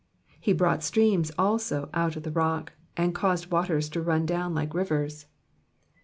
16 He brought streams also out of the rock, and caused waters to run down like rivers.